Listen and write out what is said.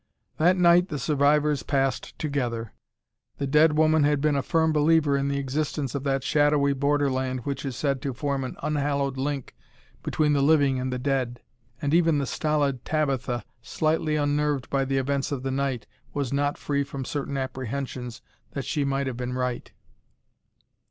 That night the survivors passed together. The dead woman had been a firm believer in the existence of that shadowy borderland which is said to form an unhallowed link between the living and the dead, and even the stolid Tabitha, slightly unnerved by the events of the night, was not free from certain apprehensions that she might have been right.